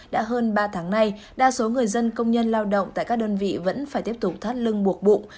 đã hơn ba tháng nay đa số người dân công nhân lao động tại các đơn vị vẫn phải tiếp tục thắt lưng buộc bụng